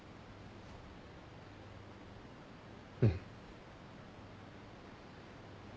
うん。